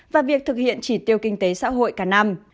và việc thực hiện chỉ tiêu kinh tế xã hội cả năm